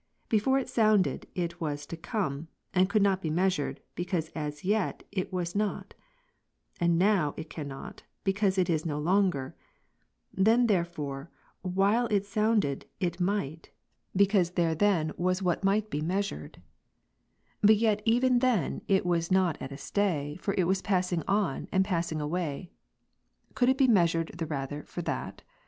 Before it sounded, it was tojcomCj and could not be measured, because as yet it was.,iiQtj_and. now "ff cannot, because it is no longer. Then therefore while it sounded, it might ; because there then was what might be R 2 244 Time cannot properly be measured even by itself. CONF. measured. But yet even then it was not at a stay ; for it was ^'^^' passing on, and passing away. Could it be measured the rather, for that